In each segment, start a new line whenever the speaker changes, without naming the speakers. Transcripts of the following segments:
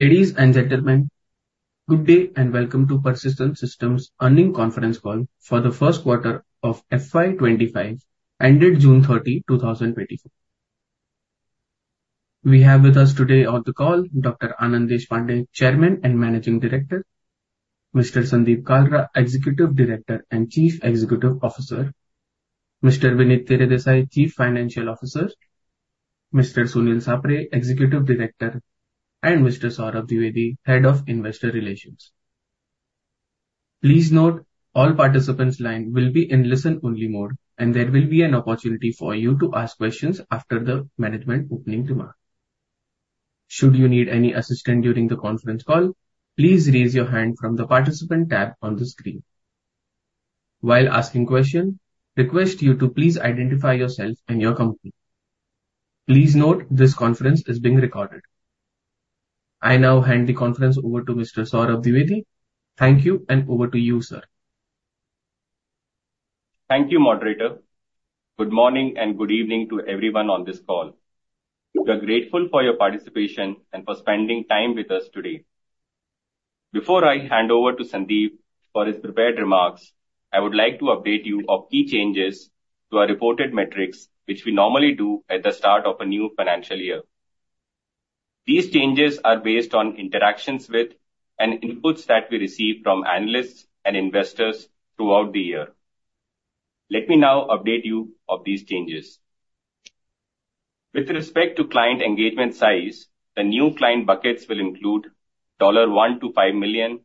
Ladies and gentlemen, good day, and welcome to Persistent Systems Earnings Conference Call for the first quarter of FY 2025, ended June 30, 2024. We have with us today on the call Dr. Anand Deshpande, Chairman and Managing Director, Mr. Sandeep Kalra, Executive Director and Chief Executive Officer, Mr. Vinit Teredesai, Chief Financial Officer, Mr. Sunil Sapre, Executive Director, and Mr. Saurabh Dwivedi, Head of Investor Relations. Please note all participants' lines will be in listen-only mode, and there will be an opportunity for you to ask questions after the management opening remarks. Should you need any assistance during the conference call, please raise your hand from the Participant tab on the screen. While asking questions, request you to please identify yourself and your company. Please note this conference is being recorded. I now hand the conference over to Mr. Saurabh Dwivedi. Thank you, and over to you, sir.
Thank you, moderator. Good morning, and good evening to everyone on this call. We are grateful for your participation and for spending time with us today. Before I hand over to Sandip for his prepared remarks, I would like to update you of key changes to our reported metrics, which we normally do at the start of a new financial year. These changes are based on interactions with and inputs that we receive from analysts and investors throughout the year. Let me now update you of these changes. With respect to client engagement size, the new client buckets will include $1 million to $5 million,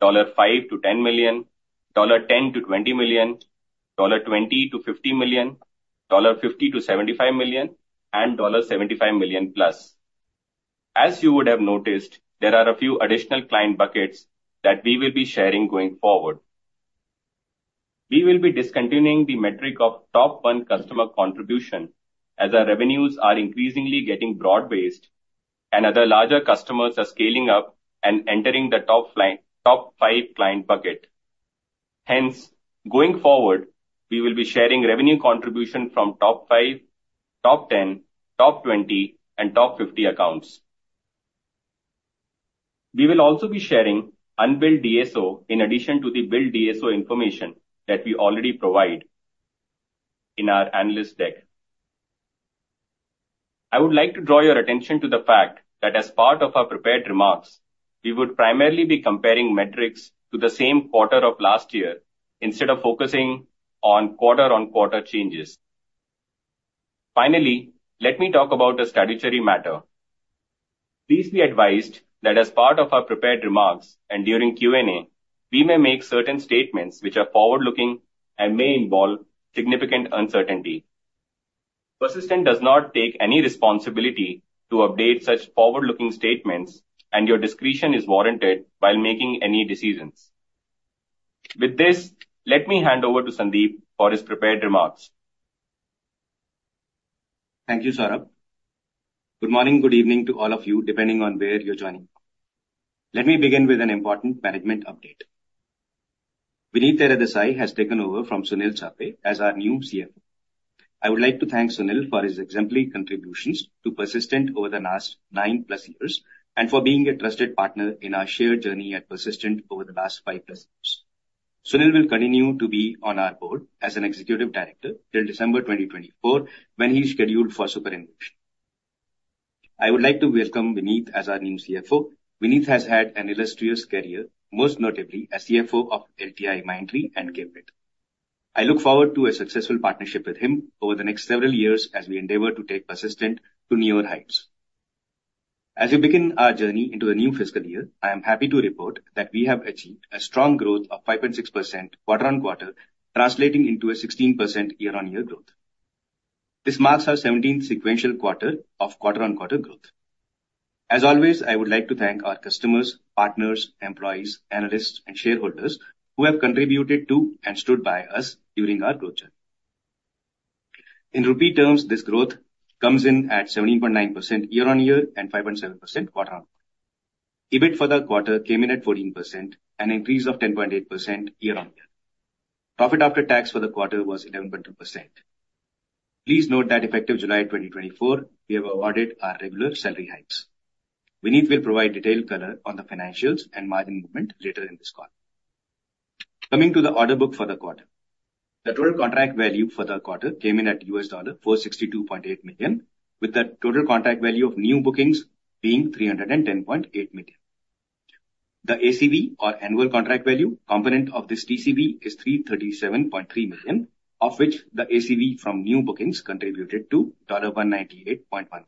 $5 million to $10 million, $10 million to $20 million, $20 million to $50 million, $50 million to $75 million, and $75 million plus. As you would have noticed, there are a few additional client buckets that we will be sharing going forward. We will be discontinuing the metric of top one customer contribution, as our revenues are increasingly getting broad-based and other larger customers are scaling up and entering the top five client bucket. Hence, going forward, we will be sharing revenue contribution from top five, top 10, top 20, and top 50 accounts. We will also be sharing unbilled DSO in addition to the billed DSO information that we already provide in our analyst deck. I would like to draw your attention to the fact that as part of our prepared remarks, we would primarily be comparing metrics to the same quarter of last year instead of focusing on quarter-on-quarter changes. Finally, let me talk about a statutory matter. Please be advised that as part of our prepared remarks and during Q&A, we may make certain statements which are forward-looking and may involve significant uncertainty. Persistent does not take any responsibility to update such forward-looking statements, and your discretion is warranted while making any decisions. With this, let me hand over to Sandip for his prepared remarks.
Thank you, Saurabh. Good morning, good evening to all of you, depending on where you're joining from. Let me begin with an important management update. Vinit Teredesai has taken over from Sunil Sapre as our new CFO. I would like to thank Sunil for his exemplary contributions to Persistent over the last 9+ years, and for being a trusted partner in our shared journey at Persistent over the last 5+ years. Sunil will continue to be on our board as an executive director till December 2024, when he is scheduled for superannuation. I would like to welcome Vinit as our new CFO. Vinit has had an illustrious career, most notably as CFO of LTIMindtree and KPIT. I look forward to a successful partnership with him over the next several years as we endeavor to take Persistent to newer heights. As we begin our journey into a new fiscal year, I am happy to report that we have achieved a strong growth of 5.6% quarter-on-quarter, translating into a 16% year-on-year growth. This marks our 17th sequential quarter of quarter-on-quarter growth. As always, I would like to thank our customers, partners, employees, analysts, and shareholders who have contributed to and stood by us during our growth journey. In rupee terms, this growth comes in at 17.9% year-on-year and 5.7% quarter-on-quarter. EBIT for the quarter came in at 14%, an increase of 10.8% year-on-year. Profit after tax for the quarter was 11.2%. Please note that effective July 2024, we have awarded our regular salary hikes. Vinit will provide detailed color on the financials and margin movement later in this call. Coming to the order book for the quarter. The total contract value for the quarter came in at $462.8 million, with the total contract value of new bookings being $310.8 million. The ACV, or annual contract value, component of this TCV is $337.3 million, of which the ACV from new bookings contributed to $198.1 million.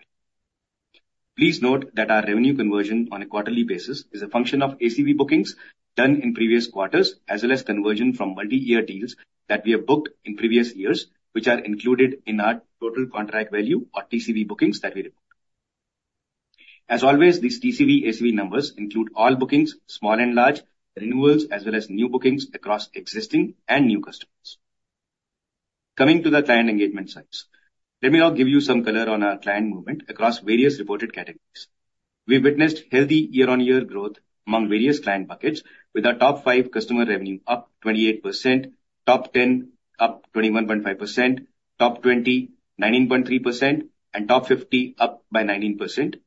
Please note that our revenue conversion on a quarterly basis is a function of ACV bookings done in previous quarters, as well as conversion from multi-year deals that we have booked in previous years, which are included in our total contract value or TCV bookings that we report. As always, these TCV ACV numbers include all bookings, small and large, renewals, as well as new bookings across existing and new customers. Coming to the client engagement sizes. Let me now give you some color on our client movement across various reported categories. We witnessed healthy year-on-year growth among various client buckets, with our top five customer revenue up 28%, top 10 up 21.5%. Top 20, 19.3%, and top 50, up by 19%.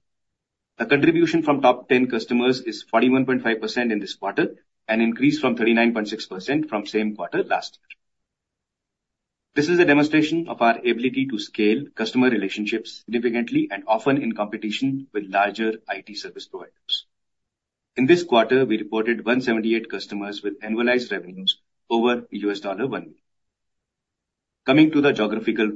The contribution from top 10 customers is 41.5% in this quarter, an increase from 39.6% from same quarter last year. This is a demonstration of our ability to scale customer relationships significantly and often in competition with larger IT service providers. In this quarter, we reported 178 customers with annualized revenues over $1 million. Coming to the geographical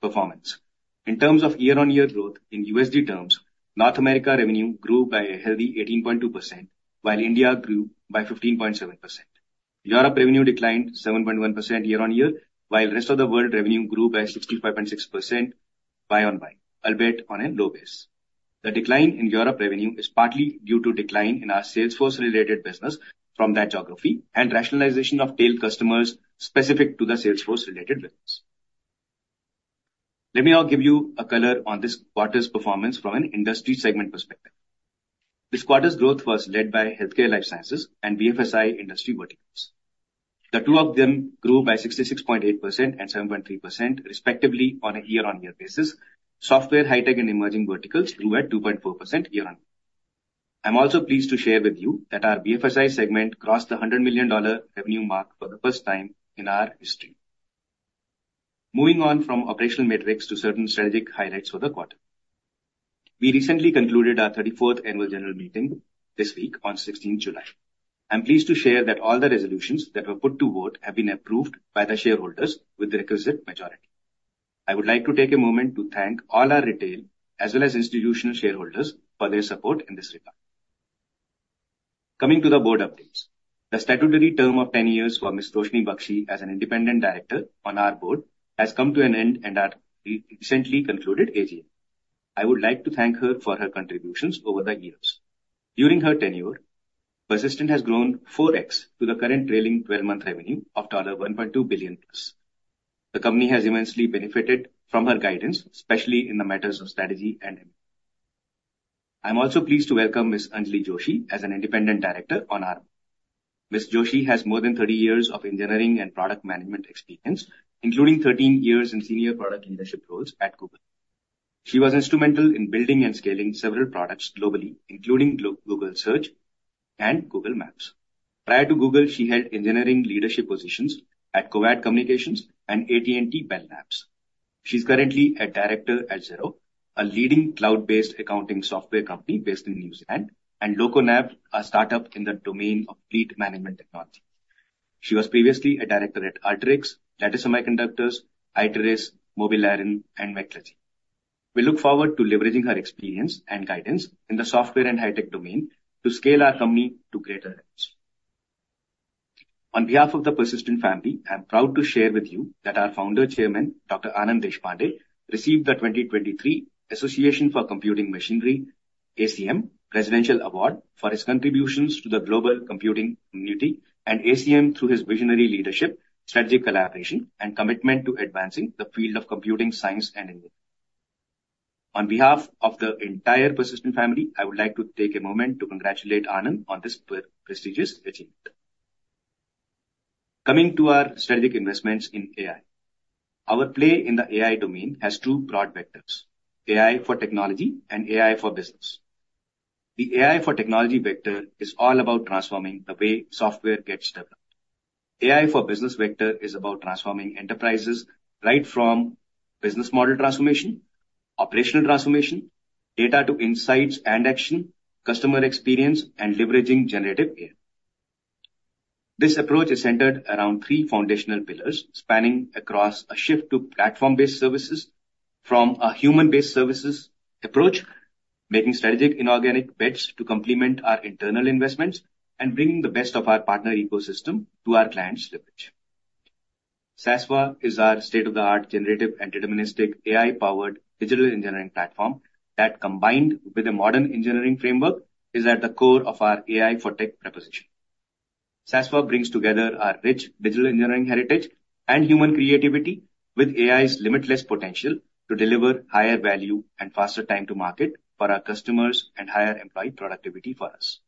performance. In terms of year-on-year growth in USD terms, North America revenue grew by a healthy 18.2%, while India grew by 15.7%. Europe revenue declined 7.1% year-on-year, while rest of the world revenue grew by 65.6% year-on-year, albeit on a low base. The decline in Europe revenue is partly due to decline in our Salesforce-related business from that geography and rationalization of tail customers specific to the Salesforce-related business. Let me now give you a color on this quarter's performance from an industry segment perspective. This quarter's growth was led by healthcare life sciences and BFSI industry verticals. The two of them grew by 66.8% and 7.3%, respectively, on a year-on-year basis. Software, high tech, and emerging verticals grew at 2.4% year-on-year. I'm also pleased to share with you that our BFSI segment crossed the $100 million revenue mark for the first time in our history. Moving on from operational metrics to certain strategic highlights for the quarter. We recently concluded our 34th annual general meeting this week on 16th July. I'm pleased to share that all the resolutions that were put to vote have been approved by the shareholders with the requisite majority. I would like to take a moment to thank all our retail as well as institutional shareholders for their support in this regard. Coming to the board updates. The statutory term of 10 years for Miss Roshini Bakshi as an independent director on our board has come to an end at our recently concluded AGM. I would like to thank her for her contributions over the years. During her tenure, Persistent has grown 4x to the current trailing twelve-month revenue of $1.2 billion+. The company has immensely benefited from her guidance, especially in the matters of strategy and M&A. I'm also pleased to welcome Ms. Anjali Joshi as an independent director on our board. Ms. Joshi has more than 30 years of engineering and product management experience, including 13 years in senior product leadership roles at Google. She was instrumental in building and scaling several products globally, including Google Search and Google Maps. Prior to Google, she held engineering leadership positions at Covad Communications and AT&T Bell Labs. She's currently a director at Xero, a leading cloud-based accounting software company based in New Zealand, and LocoNav, a start-up in the domain of fleet management technology. She was previously a director at Alteryx, Lattice Semiconductor, Iteris, MobileIron, and McClatchy. We look forward to leveraging her experience and guidance in the software and high tech domain to scale our company to greater heights. On behalf of the Persistent family, I'm proud to share with you that our founder, chairman, Dr. Anand Deshpande, received the 2023 Association for Computing Machinery, ACM, Presidential Award for his contributions to the global computing community and ACM through his visionary leadership, strategic collaboration, and commitment to advancing the field of computing science and engineering. On behalf of the entire Persistent family, I would like to take a moment to congratulate Anand on this prestigious achievement. Coming to our strategic investments in AI. Our play in the AI domain has two broad vectors: AI for technology and AI for business. The AI for technology vector is all about transforming the way software gets developed. AI for business vector is about transforming enterprises right from business model transformation, operational transformation, data to insights and action, customer experience, and leveraging generative AI. This approach is centered around three foundational pillars, spanning across a shift to platform-based services from a human-based services approach, making strategic inorganic bets to complement our internal investments, and bringing the best of our partner ecosystem to our clients' leverage. Sasva is our state-of-the-art generative and deterministic AI-powered digital engineering platform that, combined with a modern engineering framework, is at the core of our AI for tech proposition. Sasva brings together our rich digital engineering heritage and human creativity with AI's limitless potential to deliver higher value and faster time to market for our customers and higher employee productivity for us.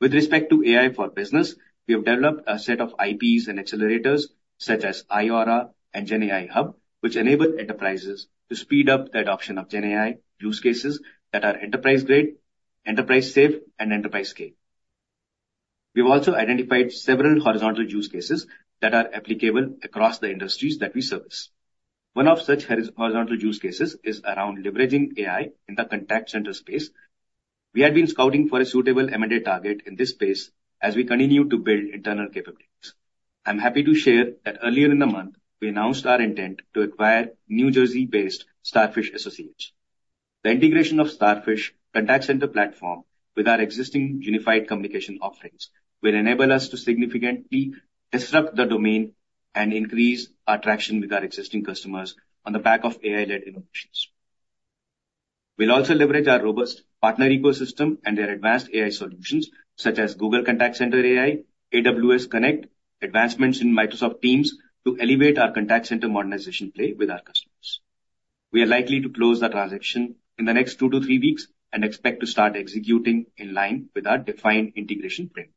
With respect to AI for business, we have developed a set of IPs and accelerators such as iAURA and GenAI Hub, which enable enterprises to speed up the adoption of GenAI use cases that are enterprise-grade, enterprise-safe, and enterprise-scale. We've also identified several horizontal use cases that are applicable across the industries that we service. One of such horizontal use cases is around leveraging AI in the contact center space. We have been scouting for a suitable M&A target in this space as we continue to build internal capabilities. I'm happy to share that earlier in the month, we announced our intent to acquire New Jersey-based Starfish Associates. The integration of Starfish Contact Center Platform with our existing unified communication offerings will enable us to significantly disrupt the domain and increase our traction with our existing customers on the back of AI-led innovations. We'll also leverage our robust partner ecosystem and their advanced AI solutions, such as Google Contact Center AI, AWS Connect, advancements in Microsoft Teams, to elevate our contact center modernization play with our customers. We are likely to close the transaction in the next two to three weeks and expect to start executing in line with our defined integration frame.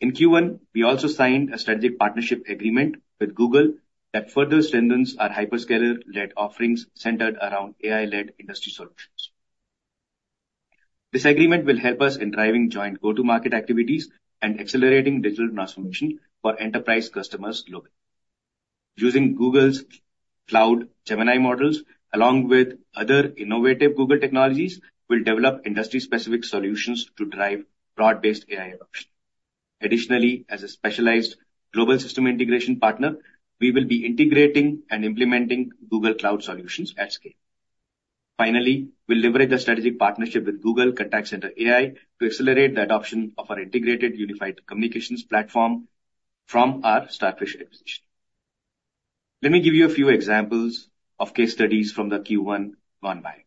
In Q1, we also signed a strategic partnership agreement with Google that further strengthens our hyperscaler-led offerings centered around AI-led industry solutions. This agreement will help us in driving joint go-to-market activities and accelerating digital transformation for enterprise customers globally. Using Google's Cloud Gemini models, along with other innovative Google technologies, we'll develop industry-specific solutions to drive broad-based AI adoption. Additionally, as a specialized global system integration partner, we will be integrating and implementing Google Cloud solutions at scale. Finally, we'll leverage the strategic partnership with Google Contact Center AI to accelerate the adoption of our integrated unified communications platform from our Starfish acquisition. Let me give you a few examples of case studies from the Q1 gone by.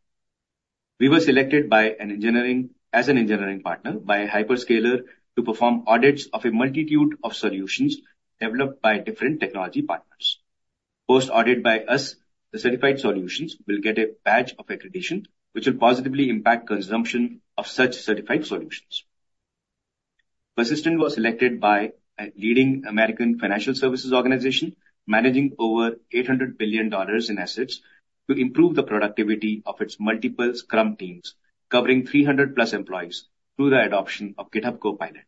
We were selected as an engineering partner by a hyperscaler to perform audits of a multitude of solutions developed by different technology partners. Post-audit by us, the certified solutions will get a badge of accreditation, which will positively impact consumption of such certified solutions. Persistent was selected by a leading American financial services organization, managing over $800 billion in assets, to improve the productivity of its multiple Scrum teams, covering 300+ employees, through the adoption of GitHub Copilot.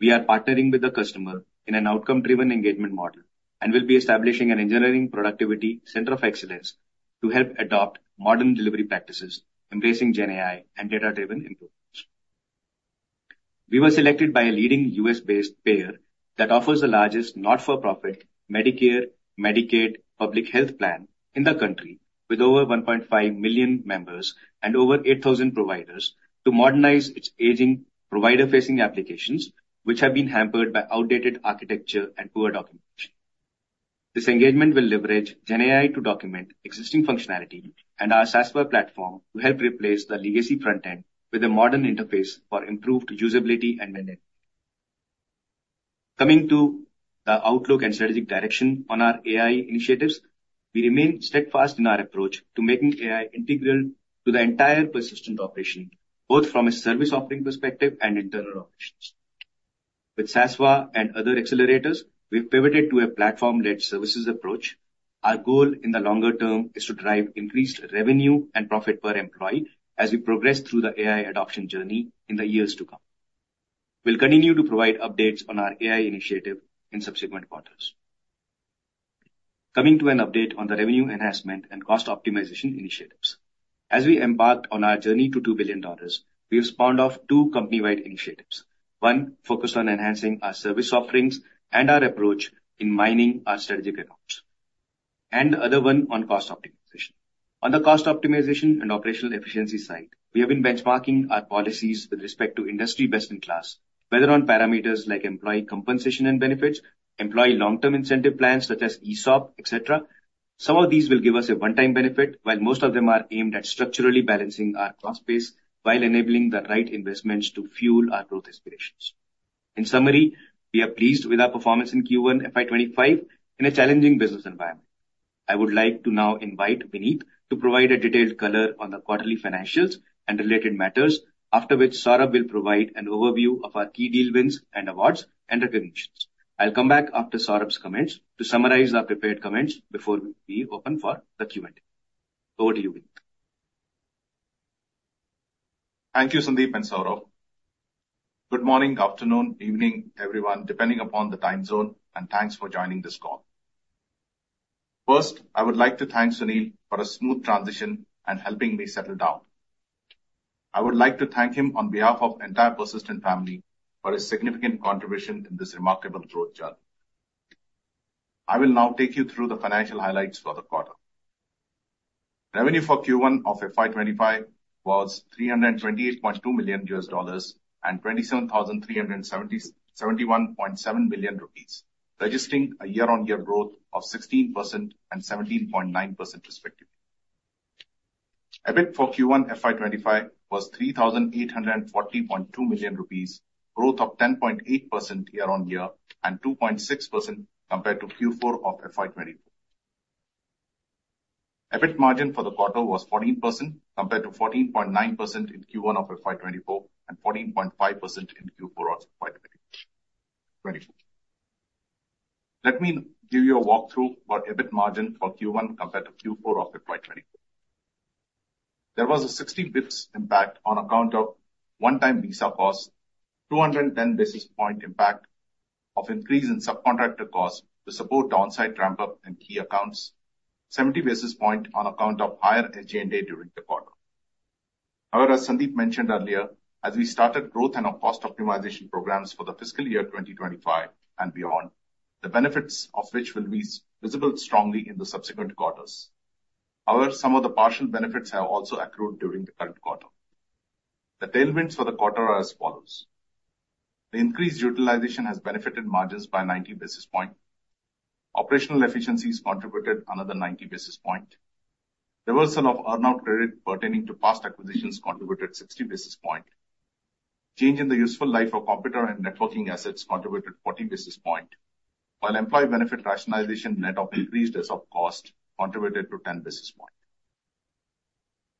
We are partnering with the customer in an outcome-driven engagement model and will be establishing an engineering productivity center of excellence to help adopt modern delivery practices, embracing GenAI and data-driven improvements. We were selected by a leading U.S.-based payer that offers the largest not-for-profit Medicare, Medicaid public health plan in the country, with over 1.5 million members and over 8,000 providers, to modernize its aging provider-facing applications, which have been hampered by outdated architecture and poor documentation. This engagement will leverage GenAI to document existing functionality and our Sasva platform to help replace the legacy front end with a modern interface for improved usability and maintenance. Coming to the outlook and strategic direction on our AI initiatives, we remain steadfast in our approach to making AI integral to the entire Persistent operation, both from a service offering perspective and internal operations. With Sasva and other accelerators, we've pivoted to a platform-led services approach. Our goal in the longer term is to drive increased revenue and profit per employee as we progress through the AI adoption journey in the years to come. We'll continue to provide updates on our AI initiative in subsequent quarters. Coming to an update on the revenue enhancement and cost optimization initiatives. As we embarked on our journey to $2 billion, we have spawned off two company-wide initiatives. One focused on enhancing our service offerings and our approach in mining our strategic accounts, and the other one on cost optimization. On the cost optimization and operational efficiency side, we have been benchmarking our policies with respect to industry best-in-class, whether on parameters like employee compensation and benefits, employee long-term incentive plans, such as ESOP, et cetera. Some of these will give us a one-time benefit, while most of them are aimed at structurally balancing our cost base while enabling the right investments to fuel our growth aspirations. In summary, we are pleased with our performance in Q1 FY 2025 in a challenging business environment. I would like to now invite Vinit to provide a detailed color on the quarterly financials and related matters, after which Saurabh will provide an overview of our key deal wins and awards and recognitions. I'll come back after Saurabh's comments to summarize our prepared comments before we open for the Q&A. Over to you, Vinit.
Thank you, Sandeep and Saurabh. Good morning, afternoon, evening, everyone, depending upon the time zone, and thanks for joining this call. First, I would like to thank Sunil for a smooth transition and helping me settle down. I would like to thank him on behalf of entire Persistent family for his significant contribution in this remarkable growth journey. I will now take you through the financial highlights for the quarter. Revenue for Q1 of FY 2025 was $328.2 million and 27,377.1 million rupees, registering a year-on-year growth of 16% and 17.9% respectively. EBIT for Q1 FY 2025 was 3,840.2 million rupees, growth of 10.8% year-on-year and 2.6% compared to Q4 of FY 2024. EBIT margin for the quarter was 14%, compared to 14.9% in Q1 of FY 2024, and 14.5% in Q4 of FY 2024, 2024. Let me give you a walkthrough for EBIT margin for Q1 compared to Q4 of FY 2024. There was a 60 basis points impact on account of one-time visa cost, 210 basis points impact of increase in subcontractor costs to support the on-site ramp-up in key accounts, 70 basis points on account of higher SG&A during the quarter. However, Sandip mentioned earlier, as we started growth and our cost optimization programs for the fiscal year 2025 and beyond, the benefits of which will be visible strongly in the subsequent quarters. However, some of the partial benefits have also accrued during the current quarter. The tailwinds for the quarter are as follows: The increased utilization has benefited margins by 90 basis point. Operational efficiencies contributed another 90 basis point. Reversal of earn-out credit pertaining to past acquisitions contributed 60 basis point. Change in the useful life of computer and networking assets contributed 40 basis point, while employee benefit rationalization, net of increased ESOP cost, contributed to 10 basis point.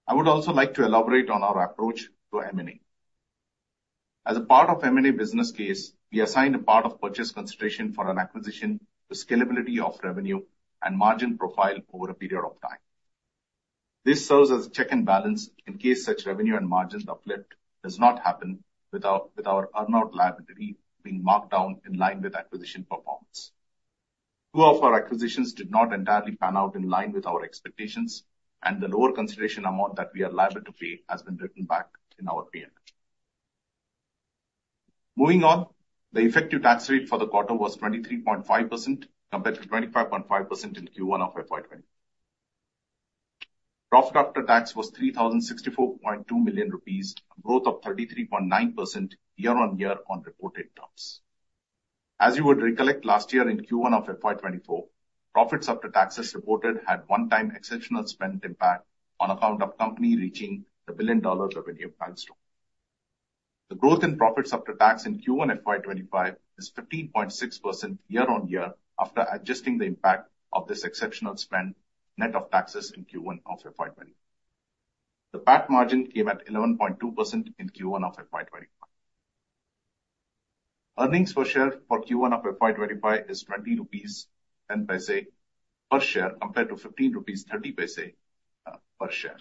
I would also like to elaborate on our approach to M&A. As a part of M&A business case, we assign a part of purchase consideration for an acquisition to scalability of revenue and margin profile over a period of time. This serves as a check and balance in case such revenue and margin uplift does not happen with our, with our earn-out liability being marked down in line with acquisition performance. Two of our acquisitions did not entirely pan out in line with our expectations, and the lower consideration amount that we are liable to pay has been written back in our P&L. Moving on, the effective tax rate for the quarter was 23.5%, compared to 25.5% in Q1 of FY 2024. Profit after tax was 3,064.2 million rupees, a growth of 33.9% year-on-year on reported terms. As you would recollect, last year in Q1 of FY 2024, profits after taxes reported had one-time exceptional spend impact on account of company reaching the $1 billion revenue milestone. The growth in profits after tax in Q1 FY 2025 is 15.6% year-on-year, after adjusting the impact of this exceptional spend net of taxes in Q1 of FY 2025. The PAT margin came at 11.2% in Q1 of FY 2025. Earnings per share for Q1 of FY 2025 is 20.10 rupees per share, compared to 15.30 rupees per share.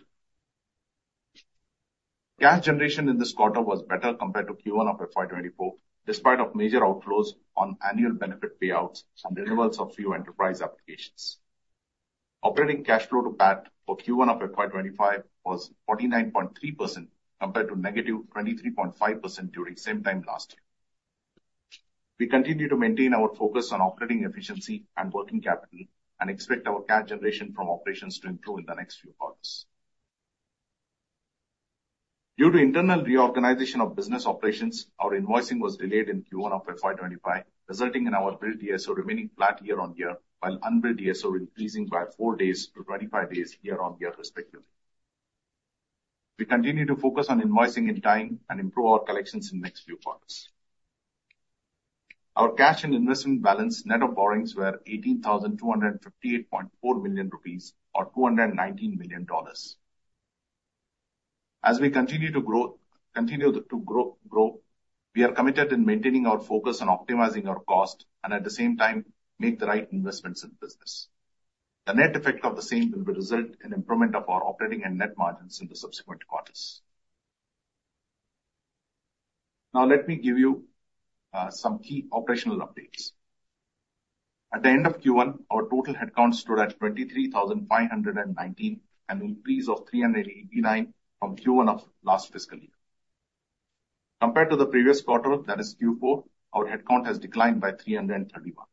Cash generation in this quarter was better compared to Q1 of FY 2024, despite of major outflows on annual benefit payouts and renewals of few enterprise applications. Operating cash flow to PAT for Q1 of FY 2025 was 49.3%, compared to negative 23.5% during same time last year. We continue to maintain our focus on operating efficiency and working capital, and expect our cash generation from operations to improve in the next few quarters. Due to internal reorganization of business operations, our invoicing was delayed in Q1 of FY 2025, resulting in our billed DSO remaining flat year-on-year, while unbilled DSO increasing by four days to 25 days year-on-year, respectively. We continue to focus on invoicing in time and improve our collections in next few quarters. Our cash and investment balance net of borrowings were 18,258.4 million rupees, or $219 million. As we continue to growth, continue to grow, grow, we are committed in maintaining our focus on optimizing our cost and at the same time, make the right investments in business. The net effect of the same will result in improvement of our operating and net margins in the subsequent quarters. Now, let me give you some key operational updates. At the end of Q1, our total headcount stood at 23,519, an increase of 389 from Q1 of last fiscal year. Compared to the previous quarter, that is Q4, our headcount has declined by 331.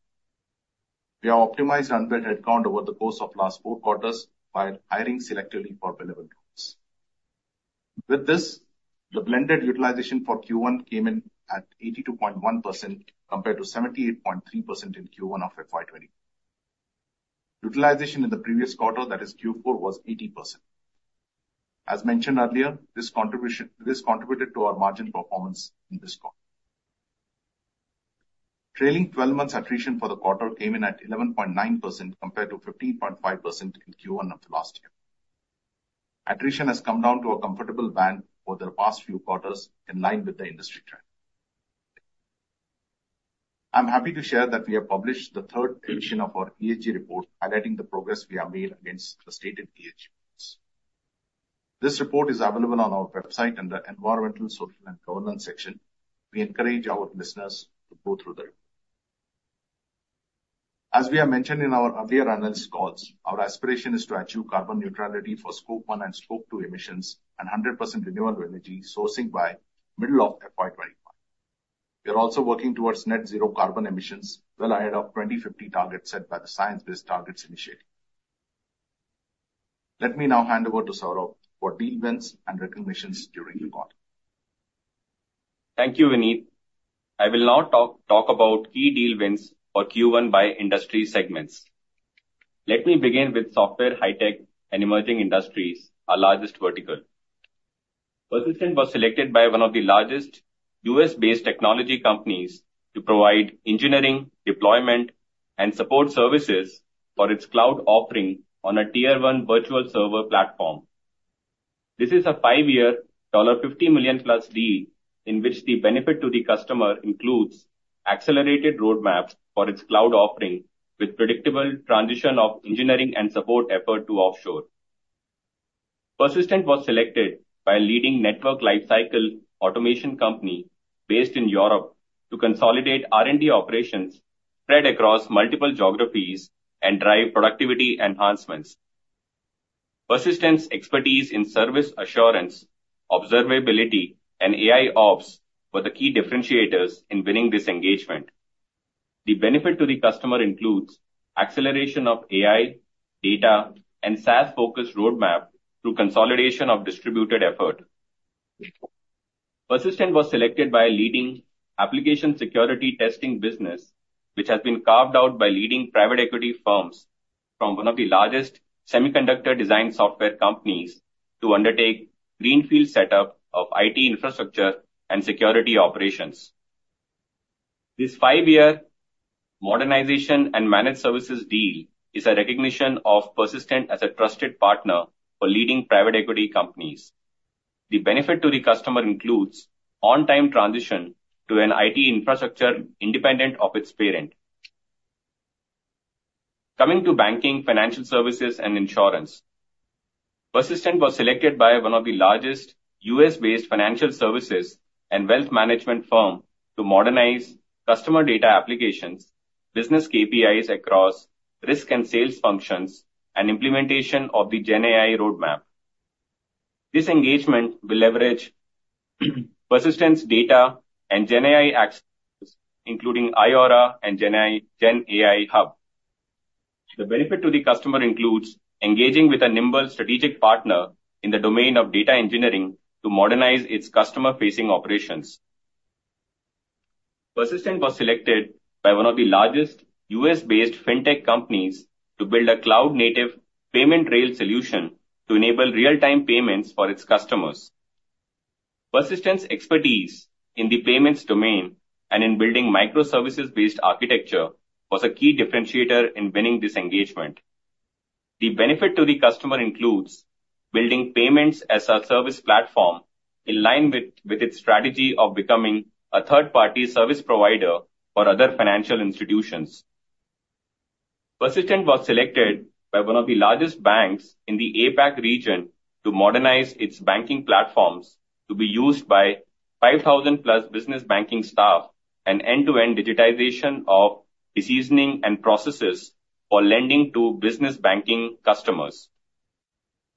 We have optimized unbilled headcount over the course of last four quarters by hiring selectively for relevant roles. With this, the blended utilization for Q1 came in at 82.1%, compared to 78.3% in Q1 of FY 2024. Utilization in the previous quarter, that is Q4, was 80%. As mentioned earlier, this contribution - this contributed to our margin performance in this quarter. Trailing twelve months attrition for the quarter came in at 11.9%, compared to 15.5% in Q1 of last year. Attrition has come down to a comfortable band over the past few quarters, in line with the industry trend. I'm happy to share that we have published the third edition of our ESG report, highlighting the progress we have made against the stated ESG goals. This report is available on our website in the Environmental, Social, and Governance section. We encourage our listeners to go through that. As we have mentioned in our earlier analyst calls, our aspiration is to achieve carbon neutrality for Scope One and Scope Two emissions and 100% renewable energy sourcing by middle of FY 2025. We are also working towards net zero carbon emissions well ahead of 2050 targets set by the Science Based Targets Initiative. Let me now hand over to Saurabh for deal wins and recognitions during the quarter.
Thank you, Vinit. I will now talk about key deal wins for Q1 by industry segments. Let me begin with software, high tech, and emerging industries, our largest vertical. Persistent was selected by one of the largest U.S.-based technology companies to provide engineering, deployment, and support services for its cloud offering on a Tier 1 virtual server platform. This is a five-year, $50 million-plus deal, in which the benefit to the customer includes accelerated roadmaps for its cloud offering, with predictable transition of engineering and support effort to offshore. Persistent was selected by a leading network lifecycle automation company based in Europe to consolidate R&D operations spread across multiple geographies and drive productivity enhancements. Persistent's expertise in service assurance, observability, and AIOps were the key differentiators in winning this engagement. The benefit to the customer includes acceleration of AI, data, and SaaS-focused roadmap through consolidation of distributed effort. Persistent was selected by a leading application security testing business, which has been carved out by leading private equity firms from one of the largest semiconductor design software companies, to undertake greenfield setup of IT infrastructure and security operations. This five-year modernization and managed services deal is a recognition of Persistent as a trusted partner for leading private equity companies. The benefit to the customer includes on-time transition to an IT infrastructure independent of its parent. Coming to banking, financial services, and insurance. Persistent was selected by one of the largest US-based financial services and wealth management firm to modernize customer data applications, business KPIs across risk and sales functions, and implementation of the GenAI roadmap. This engagement will leverage Persistent's data and GenAI access, including iAURA and GenAI Hub. The benefit to the customer includes engaging with a nimble strategic partner in the domain of data engineering to modernize its customer-facing operations. Persistent was selected by one of the largest U.S.-based fintech companies to build a cloud-native payment rail solution to enable real-time payments for its customers. Persistent's expertise in the payments domain and in building microservices-based architecture was a key differentiator in winning this engagement. The benefit to the customer includes building payments as a service platform in line with its strategy of becoming a third-party service provider for other financial institutions. Persistent was selected by one of the largest banks in the APAC region to modernize its banking platforms to be used by 5,000+ business banking staff and end-to-end digitization of decisioning and processes for lending to business banking customers.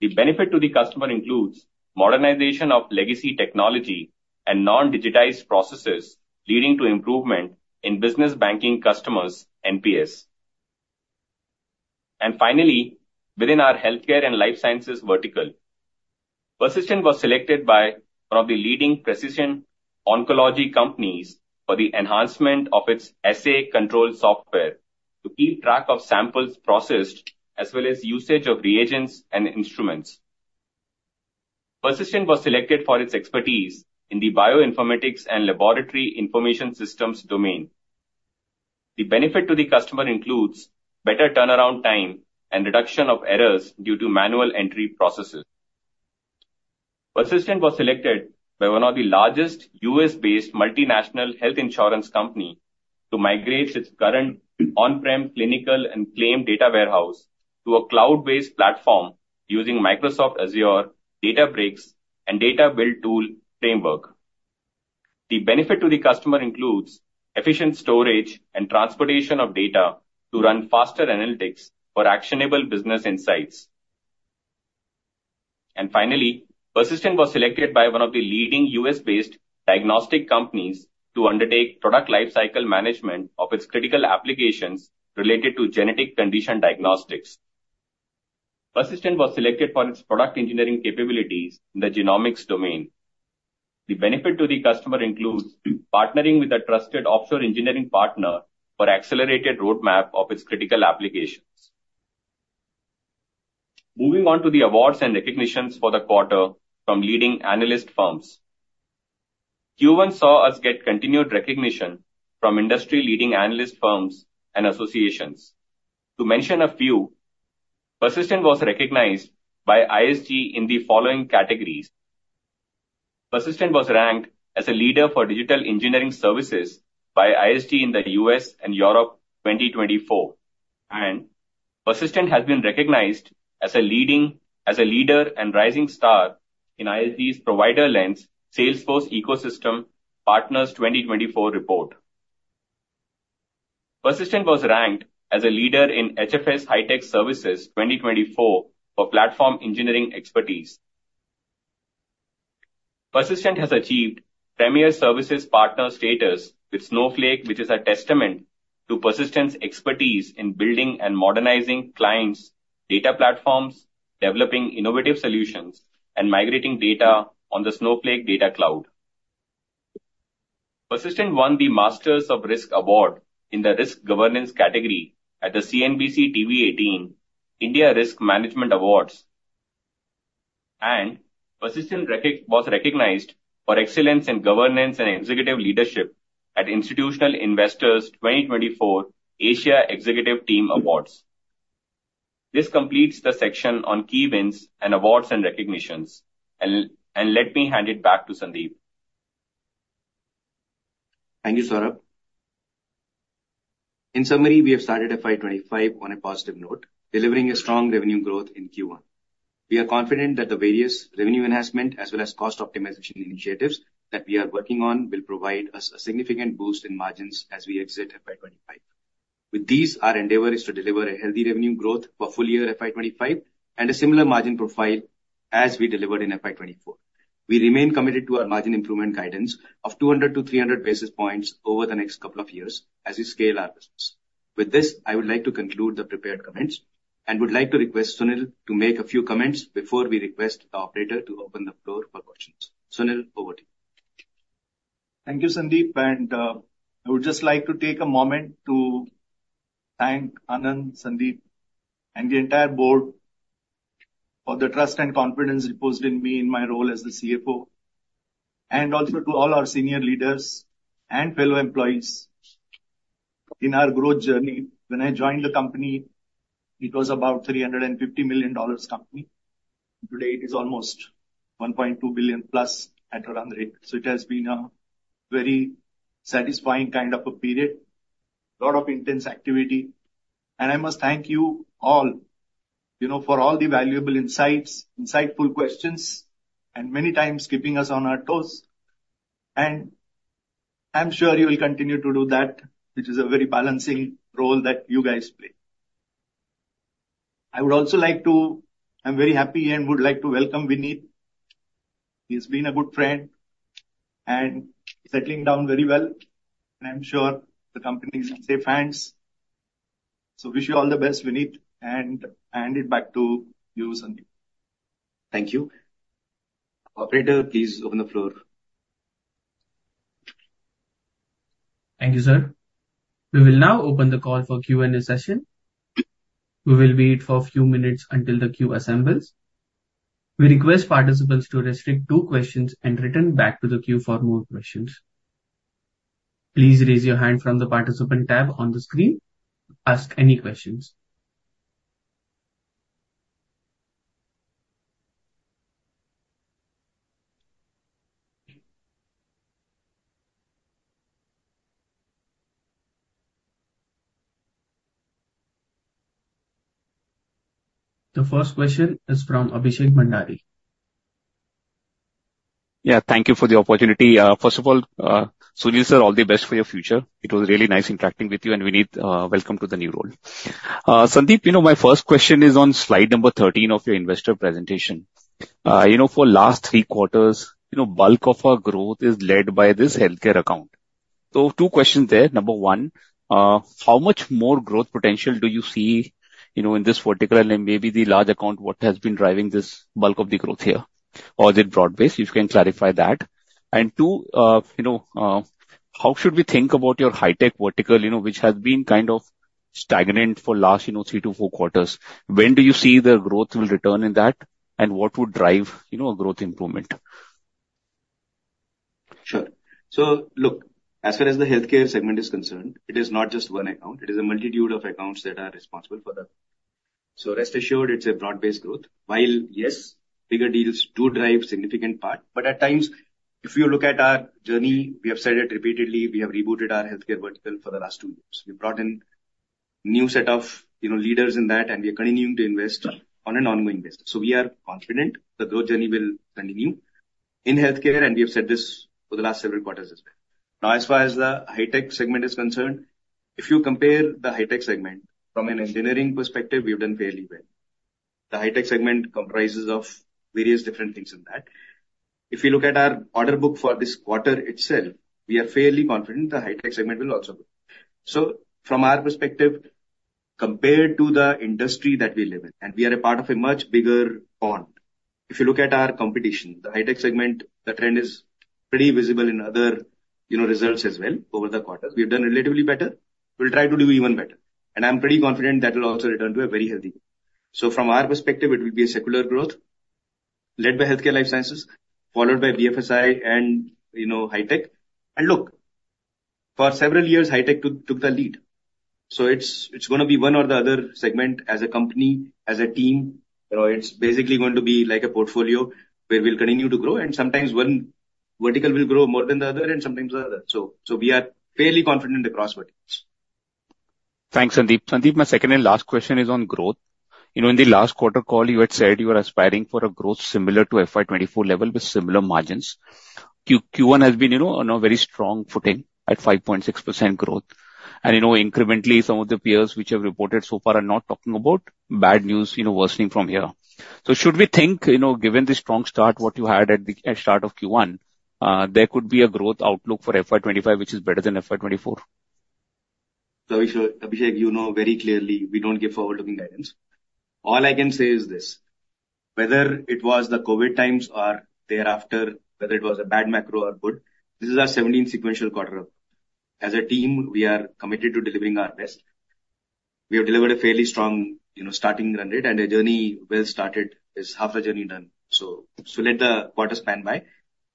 The benefit to the customer includes modernization of legacy technology and non-digitized processes, leading to improvement in business banking customers' NPS. Finally, within our healthcare and life sciences vertical, Persistent was selected by one of the leading precision oncology companies for the enhancement of its assay control software to keep track of samples processed, as well as usage of reagents and instruments. Persistent was selected for its expertise in the bioinformatics and laboratory information systems domain. The benefit to the customer includes better turnaround time and reduction of errors due to manual entry processes. Persistent was selected by one of the largest U.S.-based multinational health insurance company to migrate its current on-prem clinical and claim data warehouse to a cloud-based platform using Microsoft Azure Databricks and data build tool framework. The benefit to the customer includes efficient storage and transportation of data to run faster analytics for actionable business insights. And finally, Persistent was selected by one of the leading U.S.-based diagnostic companies to undertake product lifecycle management of its critical applications related to genetic condition diagnostics. Persistent was selected for its product engineering capabilities in the genomics domain. The benefit to the customer includes partnering with a trusted offshore engineering partner for accelerated roadmap of its critical applications. Moving on to the awards and recognitions for the quarter from leading analyst firms. Q1 saw us get continued recognition from industry-leading analyst firms and associations. To mention a few, Persistent was recognized by ISG in the following categories. Persistent was ranked as a leader for digital engineering services by ISG in the U.S. and Europe 2024, and Persistent has been recognized as a leading... as a leader and rising star in ISG's Provider Lens Salesforce Ecosystem Partners 2024 report. Persistent was ranked as a leader in HFS High Tech Services 2024 for platform engineering expertise. Persistent has achieved premier services partner status with Snowflake, which is a testament to Persistent's expertise in building and modernizing clients' data platforms, developing innovative solutions, and migrating data on the Snowflake Data Cloud. Persistent won the Masters of Risk Award in the Risk Governance category at the CNBC-TV18 India Risk Management Awards. And Persistent was recognized for excellence in governance and executive leadership at Institutional Investor's 2024 Asia Executive Team Awards. This completes the section on key wins and awards and recognitions. And let me hand it back to Sandip.
Thank you, Saurabh. In summary, we have started FY 2025 on a positive note, delivering a strong revenue growth in Q1. We are confident that the various revenue enhancement as well as cost optimization initiatives that we are working on, will provide us a significant boost in margins as we exit FY 2025. With these, our endeavor is to deliver a healthy revenue growth for full year FY 2025, and a similar margin profile as we delivered in FY 2024. We remain committed to our margin improvement guidance of 200 to 300 basis points over the next couple of years as we scale our business. With this, I would like to conclude the prepared comments, and would like to request Sunil to make a few comments before we request the operator to open the floor for questions. Sunil, over to you.
Thank you, Sandip, and I would just like to take a moment to thank Anand, Sandip, and the entire board- ...for the trust and confidence reposed in me in my role as the CFO, and also to all our senior leaders and fellow employees. In our growth journey, when I joined the company, it was about $350 million company. Today, it is almost $1.2 billion+ at run rate. So it has been a very satisfying kind of a period, a lot of intense activity. And I must thank you all, you know, for all the valuable insights, insightful questions, and many times keeping us on our toes. And I'm sure you will continue to do that, which is a very balancing role that you guys play. I would also like to. I'm very happy and would like to welcome Vinit. He's been a good friend and settling down very well, and I'm sure the company is in safe hands. So, wish you all the best, Vinit, and I hand it back to you, Sandeep.
Thank you. Operator, please open the floor.
Thank you, sir. We will now open the call for Q&A session. We will wait for a few minutes until the queue assembles. We request participants to restrict two questions and return back to the queue for more questions. Please raise your hand from the participant tab on the screen. Ask any questions. The first question is from Abhishek Bhandari.
Yeah, thank you for the opportunity. First of all, Sunil, sir, all the best for your future. It was really nice interacting with you, and Vinit, welcome to the new role. Sandip, you know, my first question is on slide number 13 of your investor presentation. You know, for last three quarters, you know, bulk of our growth is led by this healthcare account. So two questions there. Number one, how much more growth potential do you see, you know, in this vertical and maybe the large account, what has been driving this bulk of the growth here? Or is it broad-based? If you can clarify that. And two, you know, how should we think about your high tech vertical, you know, which has been kind of stagnant for last, you know, three to four quarters. When do you see the growth will return in that, and what would drive, you know, a growth improvement?
Sure. So look, as far as the healthcare segment is concerned, it is not just one account, it is a multitude of accounts that are responsible for that. So rest assured, it's a broad-based growth. While, yes, bigger deals do drive significant part, but at times, if you look at our journey, we have said it repeatedly, we have rebooted our healthcare vertical for the last two years. We've brought in new set of, you know, leaders in that, and we are continuing to invest on an ongoing basis. So we are confident the growth journey will continue in healthcare, and we have said this for the last several quarters as well. Now, as far as the high-tech segment is concerned, if you compare the high-tech segment from an engineering perspective, we've done fairly well. The high-tech segment comprises of various different things in that. If you look at our order book for this quarter itself, we are fairly confident the high-tech segment will also grow. So from our perspective, compared to the industry that we live in, and we are a part of a much bigger pond. If you look at our competition, the high-tech segment, the trend is pretty visible in other, you know, results as well over the quarter. We've done relatively better. We'll try to do even better, and I'm pretty confident that will also return to a very healthy. So from our perspective, it will be a secular growth led by healthcare life sciences, followed by BFSI and, you know, high-tech. And look, for several years, high-tech took the lead. So it's gonna be one or the other segment as a company, as a team. It's basically going to be like a portfolio where we'll continue to grow, and sometimes one vertical will grow more than the other and sometimes the other. So, we are fairly confident across verticals.
Thanks, Sandip. Sandip, my second and last question is on growth. You know, in the last quarter call, you had said you were aspiring for a growth similar to FY 2024 level with similar margins. Q1 has been, you know, on a very strong footing at 5.6% growth. You know, incrementally, some of the peers which have reported so far are not talking about bad news, you know, worsening from here. So should we think, you know, given the strong start, what you had at the, at start of Q1, there could be a growth outlook for FY 2025, which is better than FY 2024?
So Abhishek, you know very clearly we don't give forward-looking guidance. All I can say is this, whether it was the COVID times or thereafter, whether it was a bad macro or good, this is our 17th sequential quarter. As a team, we are committed to delivering our best. We have delivered a fairly strong, you know, starting run rate, and a journey well started is half a journey done. So, so let the quarter span by.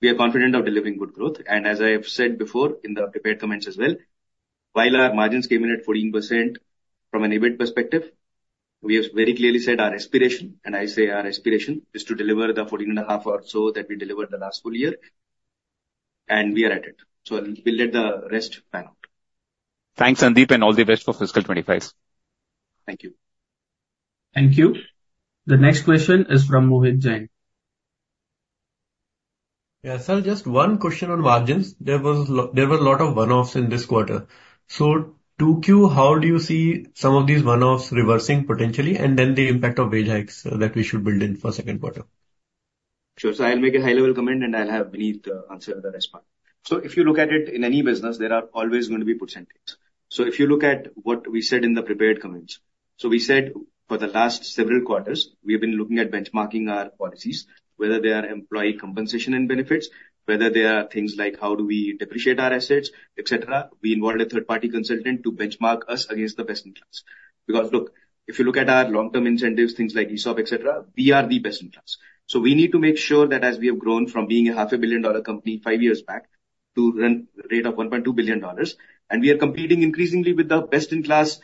We are confident of delivering good growth, and as I have said before in the prepared comments as well, while our margins came in at 14% from an EBIT perspective, we have very clearly said our aspiration, and I say our aspiration, is to deliver the 14.5 or so that we delivered the last full year, and we are at it. So we'll let the rest pan out.
Thanks, Sandip, and all the best for fiscal 2025.
Thank you.
Thank you. The next question is from Mohit Jain.
Yeah, sir, just one question on margins. There were a lot of one-offs in this quarter. So 2Q, how do you see some of these one-offs reversing potentially? And then the impact of wage hikes that we should build in for second quarter.
Sure. So I'll make a high-level comment, and I'll have Vinit answer the rest part. So if you look at it, in any business, there are always going to be percentages.... So if you look at what we said in the prepared comments, so we said for the last several quarters, we have been looking at benchmarking our policies, whether they are employee compensation and benefits, whether they are things like how do we depreciate our assets, et cetera. We involved a third-party consultant to benchmark us against the best in class. Because, look, if you look at our long-term incentives, things like ESOP, et cetera, we are the best in class. So we need to make sure that as we have grown from being a half a billion-dollar company five years back, to run rate of $1.2 billion, and we are competing increasingly with the best in class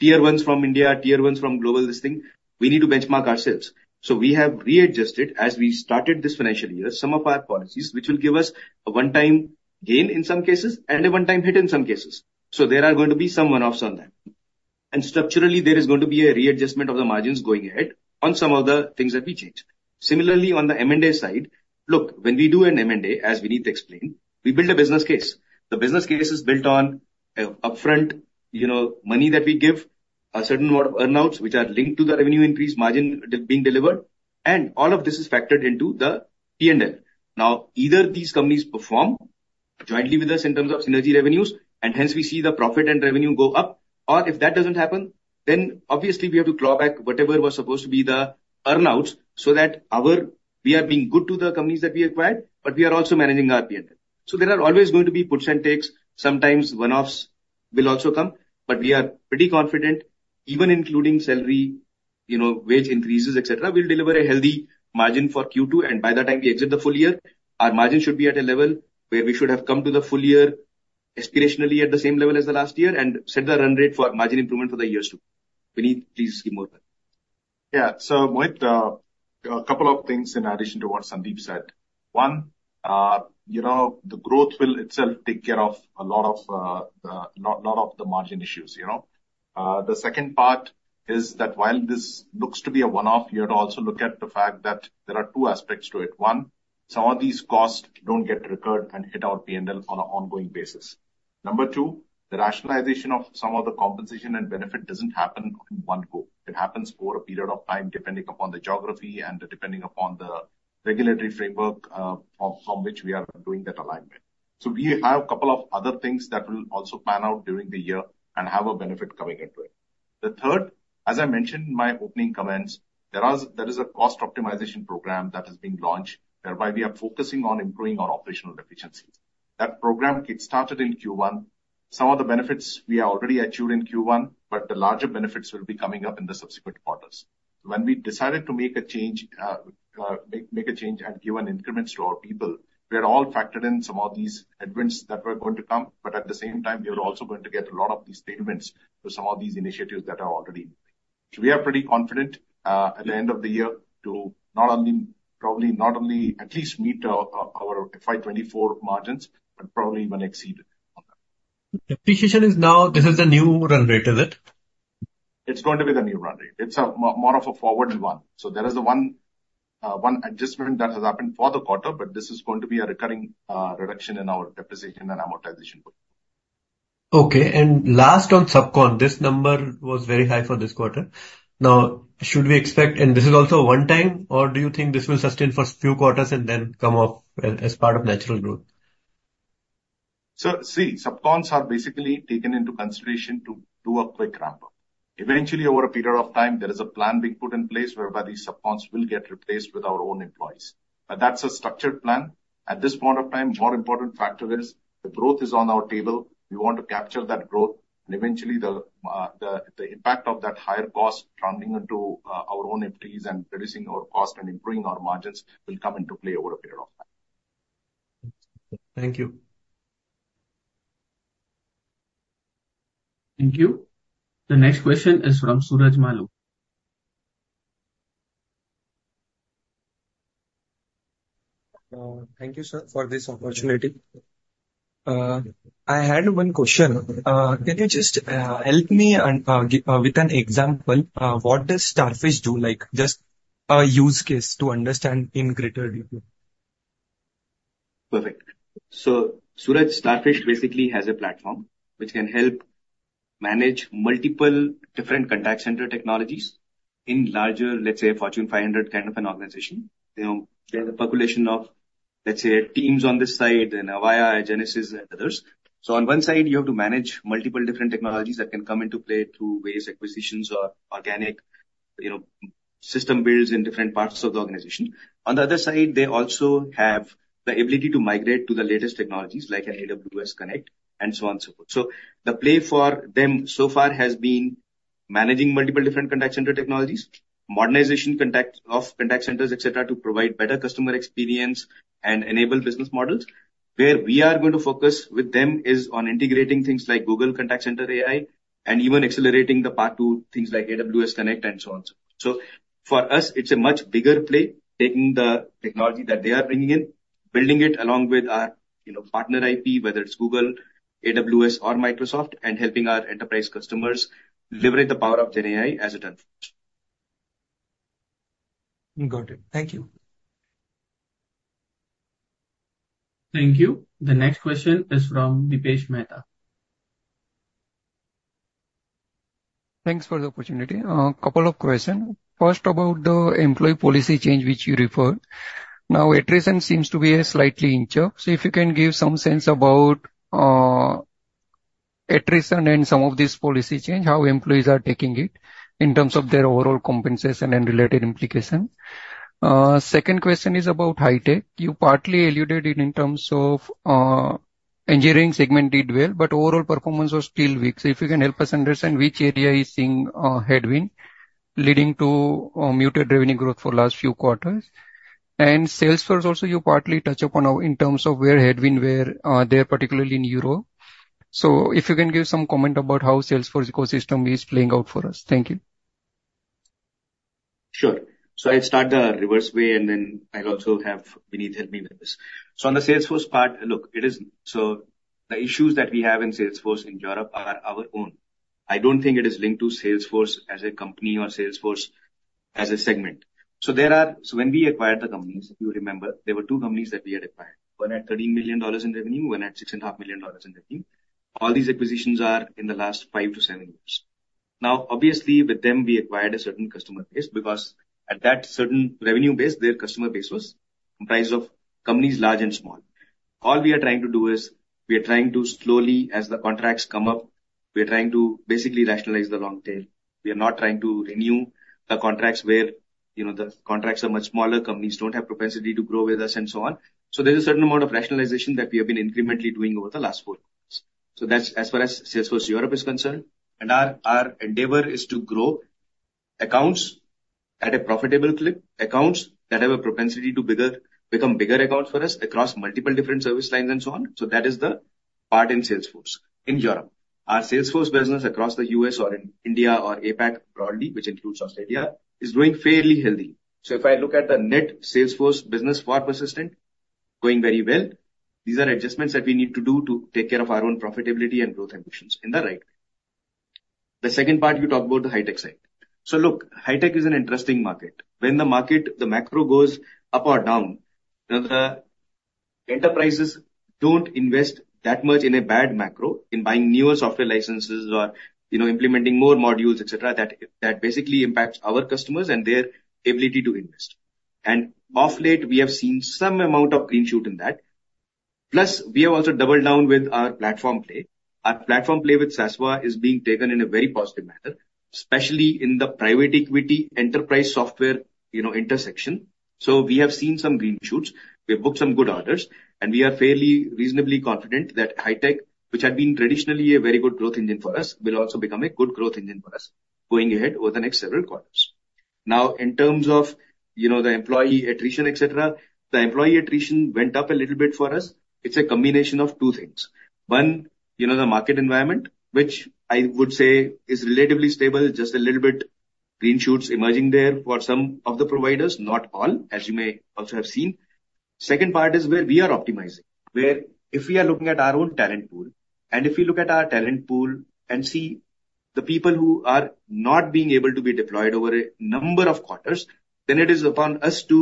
tier ones from India, tier ones from global listing, we need to benchmark ourselves. We have readjusted, as we started this financial year, some of our policies, which will give us a one-time gain in some cases and a one-time hit in some cases. There are going to be some one-offs on that. Structurally, there is going to be a readjustment of the margins going ahead on some of the things that we changed. Similarly, on the M&A side, look, when we do an M&A, as Vinit explained, we build a business case. The business case is built on, upfront, you know, money that we give, a certain amount of earn-outs, which are linked to the revenue increase, margin being delivered, and all of this is factored into the P&L. Now, either these companies perform jointly with us in terms of synergy revenues, and hence we see the profit and revenue go up, or if that doesn't happen, then obviously we have to claw back whatever was supposed to be the earn-outs so that our we are being good to the companies that we acquired, but we are also managing our P&L. So there are always going to be puts and takes. Sometimes one-offs will also come, but we are pretty confident, even including salary, you know, wage increases, et cetera, we'll deliver a healthy margin for Q2, and by the time we exit the full year, our margin should be at a level where we should have come to the full year aspirationally at the same level as the last year and set the run rate for margin improvement for the years too. Vinit, please give more than that.
Yeah. So, Mohit, a couple of things in addition to what Sandeep said. One, you know, the growth will itself take care of a lot of the margin issues, you know? The second part is that while this looks to be a one-off, you have to also look at the fact that there are two aspects to it. One, some of these costs don't get recurred and hit our P&L on an ongoing basis. Number two, the rationalization of some of the compensation and benefit doesn't happen in one go. It happens over a period of time, depending upon the geography and depending upon the regulatory framework from which we are doing that alignment. So we have a couple of other things that will also pan out during the year and have a benefit coming into it. The third, as I mentioned in my opening comments, there is a cost optimization program that has been launched, whereby we are focusing on improving our operational efficiencies. That program kick-started in Q1. Some of the benefits we are already accrued in Q1, but the larger benefits will be coming up in the subsequent quarters. When we decided to make a change and give an increments to our people, we are all factored in some of these headwinds that were going to come, but at the same time, we are also going to get a lot of these tailwinds for some of these initiatives that are already in. So we are pretty confident at the end of the year to not only, probably not only at least meet our FY 2024 margins, but probably even exceed it on that.
Depreciation is now, this is the new run rate, is it?
It's going to be the new run rate. It's a more of a forward one. So there is a one, one adjustment that has happened for the quarter, but this is going to be a recurring, reduction in our depreciation and amortization.
Okay, and last on subcon, this number was very high for this quarter. Now, should we expect... and this is also a one time, or do you think this will sustain for few quarters and then come off as, as part of natural growth?
See, subcons are basically taken into consideration to do a quick ramp-up. Eventually, over a period of time, there is a plan being put in place whereby these subcons will get replaced with our own employees. But that's a structured plan. At this point of time, more important factor is the growth is on our table, we want to capture that growth, and eventually the impact of that higher cost turning into our own employees and reducing our cost and improving our margins will come into play over a period of time.
Thank you.
Thank you. The next question is from Suraj Malu.
Thank you, sir, for this opportunity. I had one question. Can you just help me and give with an example what does Starfish do? Like, just a use case to understand in greater detail.
Perfect. So Suraj, Starfish basically has a platform which can help manage multiple different contact center technologies in larger, let's say, Fortune 500 kind of an organization. You know, they have a population of, let's say, Teams on this side, and Avaya, Genesys and others. So on one side, you have to manage multiple different technologies that can come into play through various acquisitions or organic, you know, system builds in different parts of the organization. On the other side, they also have the ability to migrate to the latest technologies like an AWS Connect and so on, so forth. So the play for them so far has been managing multiple different contact center technologies, modernization of contact centers, et cetera, to provide better customer experience and enable business models. Where we are going to focus with them is on integrating things like Google Contact Center AI, and even accelerating the path to things like AWS Connect and so on. So for us, it's a much bigger play, taking the technology that they are bringing in, building it along with our, you know, partner IP, whether it's Google, AWS, or Microsoft, and helping our enterprise customers leverage the power of GenAI as it unfolds.
Got it. Thank you.
Thank you. The next question is from Dipesh Mehta.
...Thanks for the opportunity. Couple of questions. First, about the employee policy change, which you referred. Now, attrition seems to be a slightly in check. So if you can give some sense about attrition and some of this policy change, how employees are taking it in terms of their overall compensation and related implications. Second question is about high tech. You partly alluded it in terms of engineering segment did well, but overall performance was still weak. So if you can help us understand which area is seeing headwind leading to muted revenue growth for last few quarters. And Salesforce also, you partly touch upon now in terms of where headwind were there, particularly in Europe. So if you can give some comment about how Salesforce ecosystem is playing out for us. Thank you.
Sure. So I'll start the reverse way, and then I'll also have Vinit help me with this. So on the Salesforce part, look, it is, so the issues that we have in Salesforce in Europe are our own. I don't think it is linked to Salesforce as a company or Salesforce as a segment. So there are. So when we acquired the companies, if you remember, there were two companies that we had acquired. One at $13 million in revenue, one at $6.5 million in revenue. All these acquisitions are in the last five to seven years. Now, obviously, with them, we acquired a certain customer base, because at that certain revenue base, their customer base was comprised of companies large and small. All we are trying to do is, we are trying to slowly, as the contracts come up, we are trying to basically rationalize the long tail. We are not trying to renew the contracts where, you know, the contracts are much smaller, companies don't have propensity to grow with us and so on. So there is a certain amount of rationalization that we have been incrementally doing over the last four quarters. So that's as far as Salesforce Europe is concerned. And our, our endeavor is to grow accounts at a profitable clip, accounts that have a propensity to bigger, become bigger accounts for us across multiple different service lines and so on. So that is the part in Salesforce in Europe. Our Salesforce business across the U.S. or in India or APAC, broadly, which includes Australia, is doing fairly healthy. So if I look at the net Salesforce business for Persistent, going very well. These are adjustments that we need to do to take care of our own profitability and growth ambitions in the right way. The second part, you talked about the high tech side. So look, high tech is an interesting market. When the market, the macro goes up or down, then the enterprises don't invest that much in a bad macro in buying newer software licenses or, you know, implementing more modules, et cetera. That basically impacts our customers and their ability to invest. And of late, we have seen some amount of green shoot in that. Plus, we have also doubled down with our platform play. Our platform play with Sasva is being taken in a very positive manner, especially in the private equity enterprise software, you know, intersection. So we have seen some green shoots, we've booked some good orders, and we are fairly reasonably confident that high tech, which had been traditionally a very good growth engine for us, will also become a good growth engine for us going ahead over the next several quarters. Now, in terms of, you know, the employee attrition, et cetera, the employee attrition went up a little bit for us. It's a combination of two things. One, you know, the market environment, which I would say is relatively stable, just a little bit green shoots emerging there for some of the providers, not all, as you may also have seen. Second part is where we are optimizing, where if we are looking at our own talent pool, and if we look at our talent pool and see the people who are not being able to be deployed over a number of quarters, then it is upon us to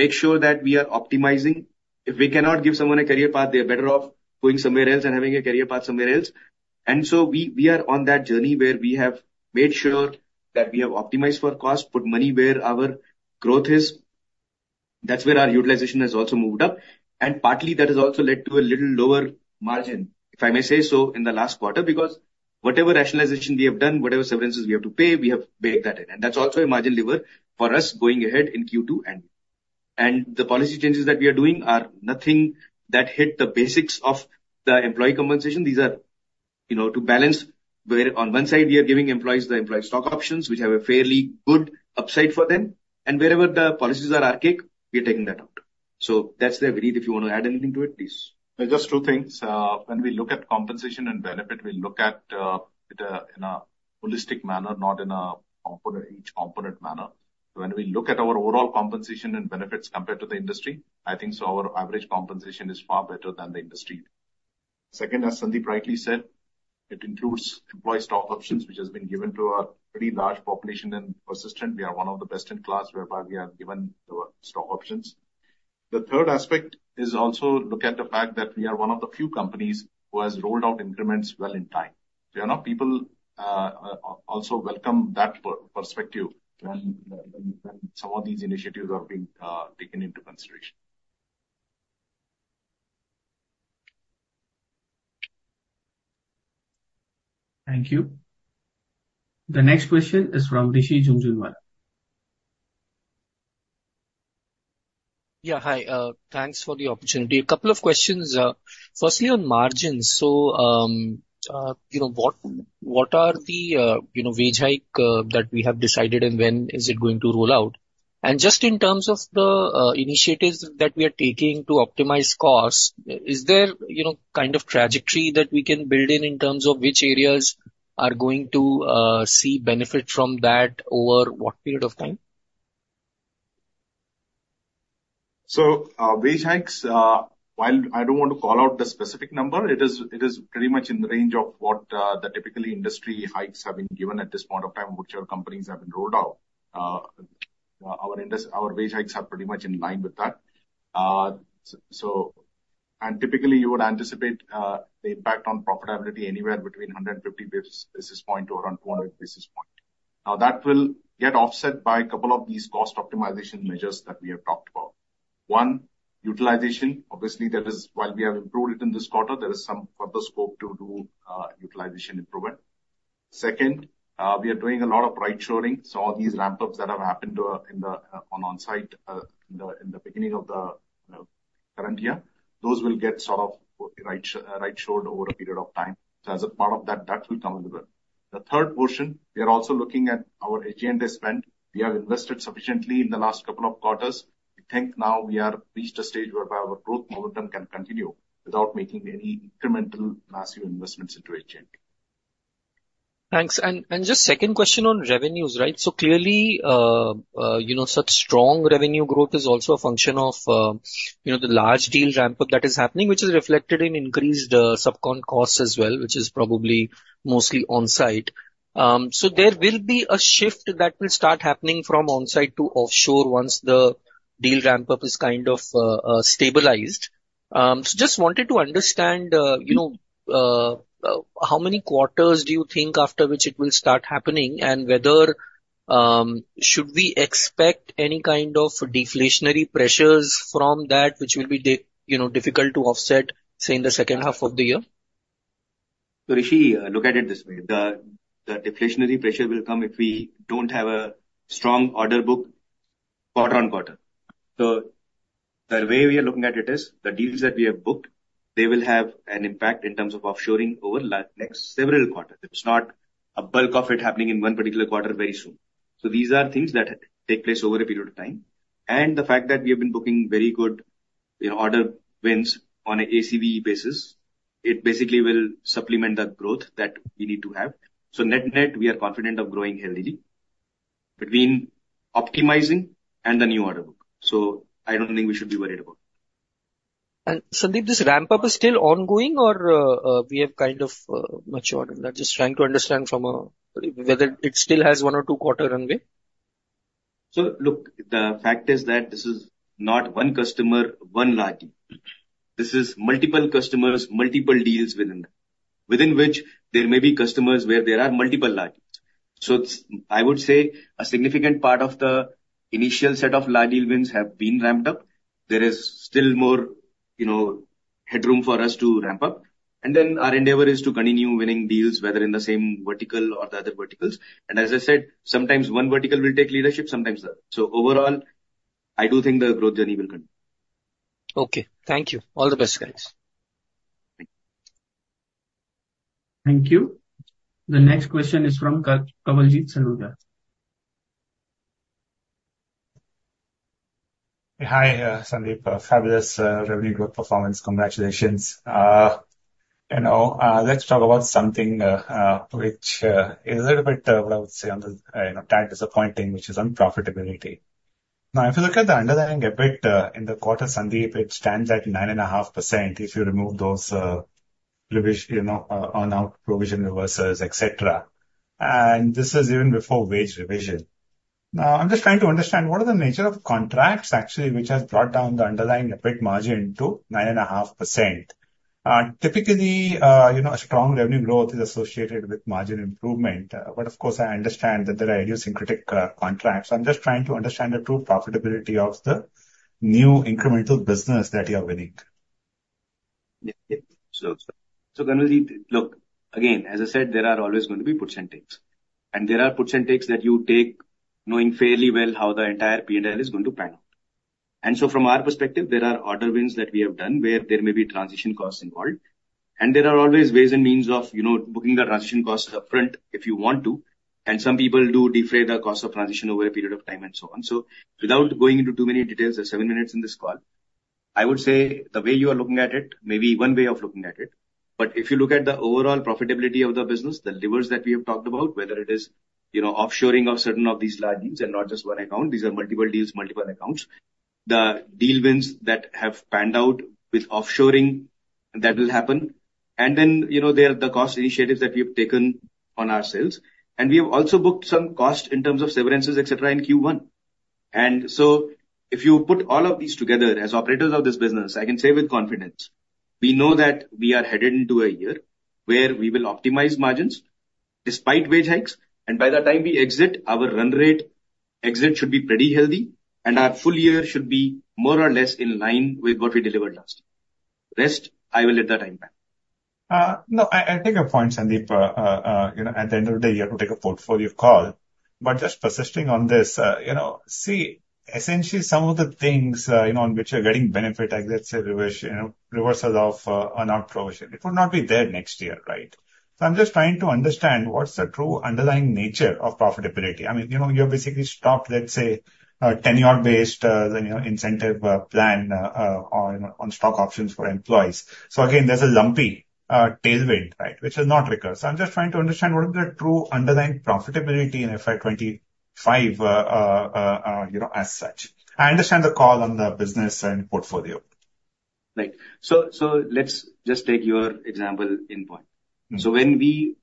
make sure that we are optimizing. If we cannot give someone a career path, they are better off going somewhere else and having a career path somewhere else. And so we, we are on that journey where we have made sure that we have optimized for cost, put money where our growth is. That's where our utilization has also moved up. And partly that has also led to a little lower margin, if I may say so, in the last quarter, because whatever rationalization we have done, whatever severances we have to pay, we have baked that in. And that's also a margin lever for us going ahead in Q2 onwards. And the policy changes that we are doing are nothing that hit the basics of the employee compensation. These are, you know, to balance where on one side, we are giving employees the employee stock options, which have a fairly good upside for them, and wherever the policies are archaic, we are taking that out. So that's there. Vinit, if you want to add anything to it, please.
Just two things. When we look at compensation and benefit, we look at it in a holistic manner, not in a component, each component manner. When we look at our overall compensation and benefits compared to the industry, I think so our average compensation is far better than the industry. Second, as Sandip rightly said, it includes employee stock options, which has been given to a pretty large population in Persistent. We are one of the best in class, whereby we have given the stock options. The third aspect is also look at the fact that we are one of the few companies who has rolled out increments well in time. There are people also welcome that perspective when some of these initiatives are being taken into consideration.
Thank you. The next question is from Rishi Jhunjhunwala.
Yeah, hi. Thanks for the opportunity. A couple of questions. Firstly, on margins. So, you know, what, what are the, you know, wage hike that we have decided, and when is it going to roll out? And just in terms of the, initiatives that we are taking to optimize costs, is there, you know, kind of trajectory that we can build in, in terms of which areas are going to, see benefit from that over what period of time?
So, wage hikes, while I don't want to call out the specific number, it is, it is pretty much in the range of what, the typically industry hikes have been given at this point of time, whichever companies have been rolled out. Our wage hikes are pretty much in line with that. Typically, you would anticipate, the impact on profitability anywhere between 150 basis points to around 200 basis points. Now, that will get offset by a couple of these cost optimization measures that we have talked about. One, utilization. Obviously, that is, while we have improved it in this quarter, there is some further scope to do, utilization improvement. Second, we are doing a lot of right shoring. So all these ramp-ups that have happened to in the on-site in the beginning of the current year, those will get sort of right-shored over a period of time. So as a part of that, that will come into it. The third portion, we are also looking at our R&D spend. We have invested sufficiently in the last couple of quarters. We think now we are reached a stage whereby our growth momentum can continue without making any incremental massive investments into R&D.
Thanks. And just second question on revenues, right? So clearly, you know, such strong revenue growth is also a function of, you know, the large deal ramp-up that is happening, which is reflected in increased, subcon costs as well, which is probably mostly on-site. So there will be a shift that will start happening from on-site to offshore once the deal ramp-up is kind of, stabilized. So just wanted to understand, you know, how many quarters do you think after which it will start happening, and whether, should we expect any kind of deflationary pressures from that which will be you know, difficult to offset, say, in the second half of the year?
So Rishi, look at it this way. The deflationary pressure will come if we don't have a strong order book quarter on quarter. So the way we are looking at it is, the deals that we have booked, they will have an impact in terms of offshoring over the next several quarters. It's not a bulk of it happening in one particular quarter very soon. So these are things that take place over a period of time. And the fact that we have been booking very good, you know, order wins on a ACV basis, it basically will supplement that growth that we need to have. So net, net, we are confident of growing healthy between optimizing and the new order book. So I don't think we should be worried about it.
Sandip, this ramp-up is still ongoing or, we have kind of, matured? I'm just trying to understand from whether it still has one or two quarter runway.
So look, the fact is that this is not one customer, one large deal. This is multiple customers, multiple deals within that, within which there may be customers where there are multiple large deals. So it's... I would say a significant part of the initial set of large deal wins have been ramped up. There is still more, you know, headroom for us to ramp up. And then our endeavor is to continue winning deals, whether in the same vertical or the other verticals. And as I said, sometimes one vertical will take leadership, sometimes the other. So overall, I do think the growth journey will continue.
Okay. Thank you. All the best, guys.
Thank you. The next question is from Kawaljeet Saluja.
Hi, Sandeep. Fabulous revenue growth performance. Congratulations. You know, let's talk about something which is a little bit what I would say on the you know tad disappointing, which is on profitability. Now, if you look at the underlying EBIT in the quarter, Sandeep, it stands at 9.5%, if you remove those provision you know onerous provision reversals, et cetera. And this is even before wage revision. Now, I'm just trying to understand, what are the nature of contracts actually, which has brought down the underlying EBIT margin to 9.5%? Typically, you know, a strong revenue growth is associated with margin improvement. But of course, I understand that there are idiosyncratic contracts. I'm just trying to understand the true profitability of the new incremental business that you are winning.
Yeah. So, so Kawaljeet, look, again, as I said, there are always going to be puts and takes. And there are puts and takes that you take knowing fairly well how the entire P&L is going to pan out. And so from our perspective, there are order wins that we have done where there may be transition costs involved, and there are always ways and means of, you know, booking the transition costs upfront if you want to, and some people do defray the cost of transition over a period of time and so on. So without going into too many details, there's seven minutes in this call, I would say the way you are looking at it may be one way of looking at it. If you look at the overall profitability of the business, the levers that we have talked about, whether it is, you know, offshoring of certain of these large deals and not just one account, these are multiple deals, multiple accounts. The deal wins that have panned out with offshoring, that will happen. Then, you know, there are the cost initiatives that we have taken on ourselves. We have also booked some cost in terms of severances, et cetera, in Q1. So if you put all of these together, as operators of this business, I can say with confidence, we know that we are headed into a year where we will optimize margins despite wage hikes, and by the time we exit, our run rate exit should be pretty healthy, and our full year should be more or less in line with what we delivered last year. Rest, I will leave the time back.
No, I take your point, Sandeep. You know, at the end of the day, you have to take a portfolio call. But just persisting on this, you know, see, essentially some of the things, you know, on which you're getting benefit, like let's say, reversion, you know, reversals of, onerous provision, it would not be there next year, right? So I'm just trying to understand what's the true underlying nature of profitability. I mean, you know, you're basically stopped, let's say, a tenure-based, you know, incentive plan, on stock options for employees. So again, there's a lumpy tailwind, right? Which will not recur. So I'm just trying to understand what is the true underlying profitability in FY 2025, you know, as such. I understand the call on the business and portfolio.
Right. So, let's just take your example in point.
Mm-hmm.
So when we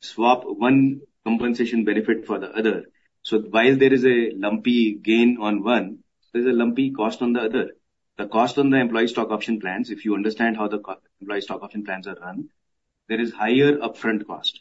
swap one compensation benefit for the other. So while there is a lumpy gain on one, there's a lumpy cost on the other. The cost on the employee stock option plans, if you understand how the company employee stock option plans are run, there is higher upfront cost.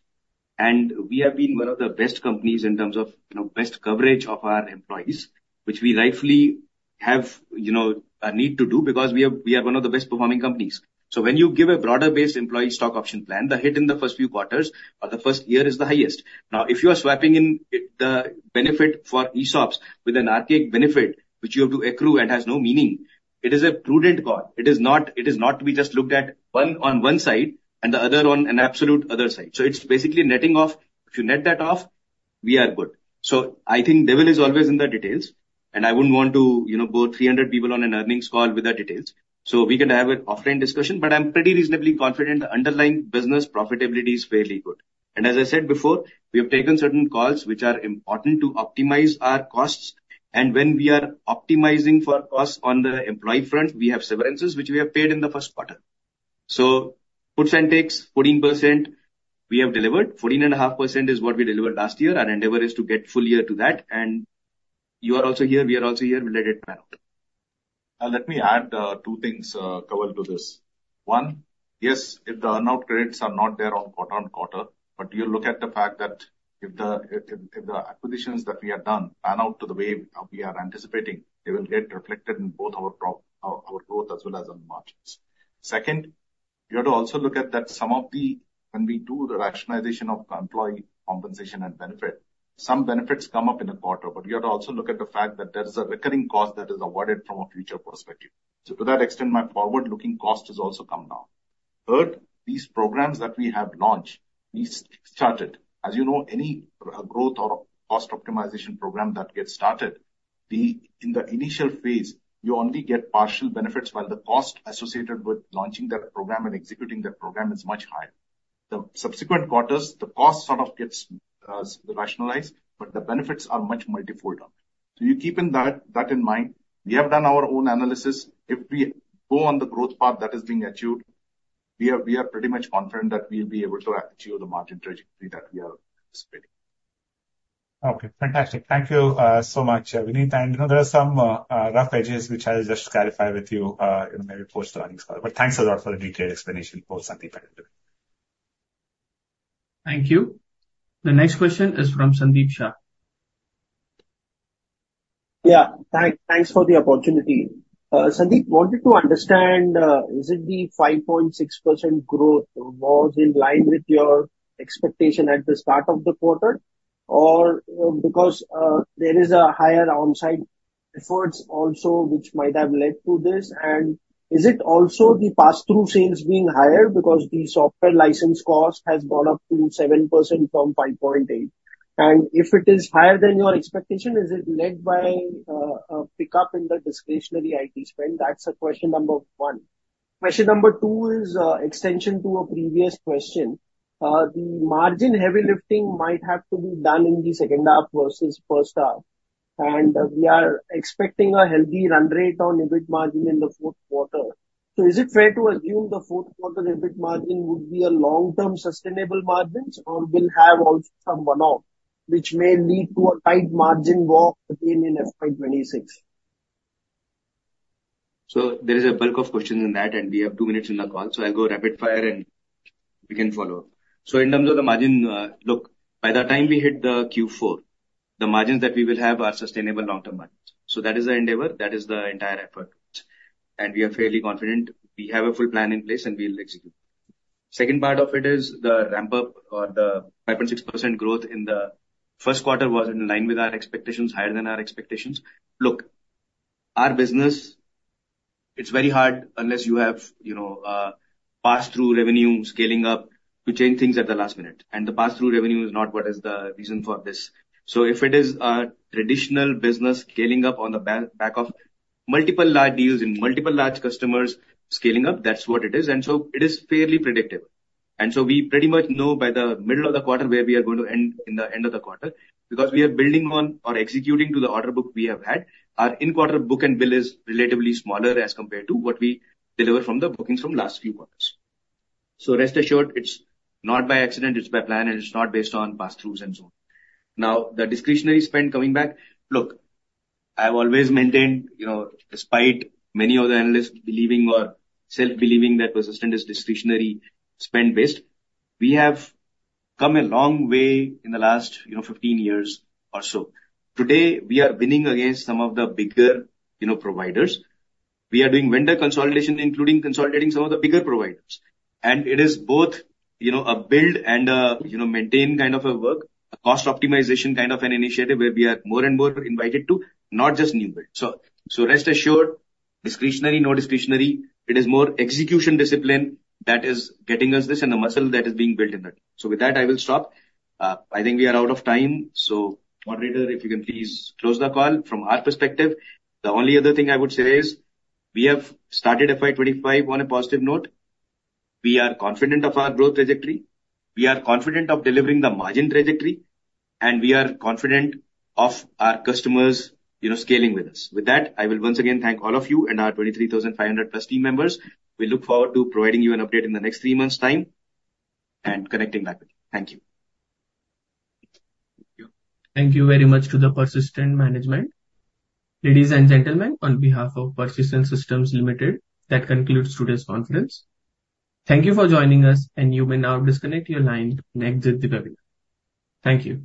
And we have been one of the best companies in terms of, you know, best coverage of our employees, which we rightfully have, you know, a need to do, because we are, we are one of the best performing companies. So when you give a broader-based employee stock option plan, the hit in the first few quarters or the first year is the highest. Now, if you are swapping the benefit for ESOPs with an RCA benefit, which you have to accrue and has no meaning, it is a prudent call. It is not, it is not to be just looked at one on one side and the other on an absolute other side. So it's basically netting off. If you net that off, we are good. So I think devil is always in the details, and I wouldn't want to, you know, bore 300 people on an earnings call with the details, so we can have an offline discussion. But I'm pretty reasonably confident the underlying business profitability is fairly good. And as I said before, we have taken certain calls which are important to optimize our costs, and when we are optimizing for costs on the employee front, we have severances which we have paid in the first quarter. So puts and takes, 14% we have delivered. 14.5% is what we delivered last year. Our endeavor is to get full year to that. You are also here, we are also here. We'll let it pan out.
Let me add two things, Kawaljeet, to this. One, yes, if the earnout credits are not there on quarter-on-quarter, but you look at the fact that if the acquisitions that we have done pan out to the way we are anticipating, they will get reflected in both our growth as well as on margins. Second, you have to also look at that some of the... When we do the rationalization of employee compensation and benefit, some benefits come up in a quarter, but you have to also look at the fact that there is a recurring cost that is avoided from a future perspective. So to that extent, my forward-looking cost has also come down. Third, these programs that we have launched, we started. As you know, any growth or cost optimization program that gets started, in the initial phase, you only get partial benefits, while the cost associated with launching that program and executing that program is much higher. The subsequent quarters, the cost sort of gets rationalized, but the benefits are much multifold on it. So you keep that in mind, we have done our own analysis. If we go on the growth path that is being achieved, we are pretty much confident that we'll be able to achieve the margin trajectory that we are anticipating.
Okay. Fantastic. Thank you so much, Vinit. And, you know, there are some rough edges, which I'll just clarify with you in maybe post earnings call. But thanks a lot for the detailed explanation for Sandip and everyone.
Thank you. The next question is from Sandeep Shah.
Yeah. Thank, thanks for the opportunity. Sandeep, wanted to understand, is it the 5.6% growth was in line with your expectation at the start of the quarter? Or, because, there is a higher on-site efforts also, which might have led to this. And is it also the passthrough sales being higher because the software license cost has gone up to 7% from 5.8%? And if it is higher than your expectation, is it led by, a pickup in the discretionary IT spend? That's question number one. Question number two is, extension to a previous question. The margin heavy lifting might have to be done in the second half versus first half, and we are expecting a healthy run rate on EBIT margin in the fourth quarter. So is it fair to assume the fourth quarter EBIT margin would be a long-term sustainable margins or will have also some one-off, which may lead to a tight margin walk again in FY 2026?
So there is a bulk of questions in that, and we have two minutes in the call, so I'll go rapid fire and we can follow up. So in terms of the margin, look, by the time we hit the Q4, the margins that we will have are sustainable long-term margins. So that is our endeavor, that is the entire effort, and we are fairly confident. We have a full plan in place, and we will execute. Second part of it is the ramp-up or the 5.6% growth in the first quarter was in line with our expectations, higher than our expectations. Look, our business, it's very hard unless you have, you know, passthrough revenue scaling up to change things at the last minute. And the passthrough revenue is not what is the reason for this. So if it is a traditional business scaling up on the back of multiple large deals and multiple large customers scaling up, that's what it is, and so it is fairly predictable. And so we pretty much know by the middle of the quarter where we are going to end in the end of the quarter, because we are building on or executing to the order book we have had. Our in-quarter book and bill is relatively smaller as compared to what we deliver from the bookings from last few quarters. So rest assured, it's not by accident, it's by plan, and it's not based on passthroughs and so on. Now, the discretionary spend coming back. Look, I've always maintained, you know, despite many of the analysts believing or self-believing that Persistent is discretionary spend-based, we have come a long way in the last, you know, 15 years or so. Today, we are winning against some of the bigger, you know, providers. We are doing vendor consolidation, including consolidating some of the bigger providers. And it is both, you know, a build and a, you know, maintain kind of a work, a cost optimization kind of an initiative where we are more and more invited to not just new build. So, so rest assured, discretionary, no discretionary, it is more execution discipline that is getting us this and the muscle that is being built in that. So with that, I will stop. I think we are out of time, so moderator, if you can please close the call. From our perspective, the only other thing I would say is, we have started FY 2025 on a positive note. We are confident of our growth trajectory, we are confident of delivering the margin trajectory, and we are confident of our customers, you know, scaling with us. With that, I will once again thank all of you and our 23,500+ team members. We look forward to providing you an update in the next three months' time and connecting back with you. Thank you.
Thank you.
Thank you very much to the Persistent management. Ladies and gentlemen, on behalf of Persistent Systems Limited, that concludes today's conference. Thank you for joining us, and you may now disconnect your line and exit the webinar. Thank you.